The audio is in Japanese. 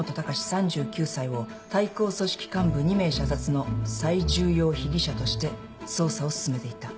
３９歳を対抗組織幹部２名射殺の最重要被疑者として捜査を進めていた」